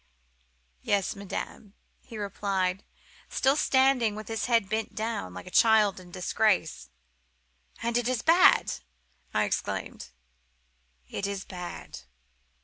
"'Yes, madame,' he replied, still standing with his head bent down, like a child in disgrace. "'And it is bad!' I exclaimed. "'It is bad.